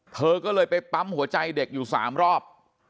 เธอก็เลยไปปั๊มหัวใจเด็กอยู่๓รอบ